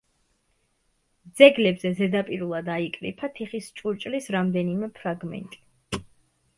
ძეგლებზე ზედაპირულად აიკრიფა თიხის ჭურჭლის რამდენიმე ფრაგმენტი.